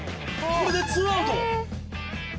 「これで２アウト」